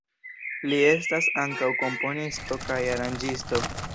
Li estas ankaŭ komponisto kaj aranĝisto.